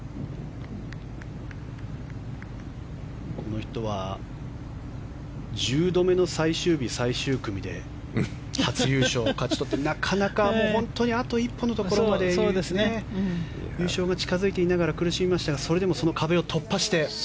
この人は１０度目の最終日、最終組で初優勝を勝ち取ってなかなかあと一歩のところまで優勝が近づいていながら苦しんでましたがそれでもその壁を突破して。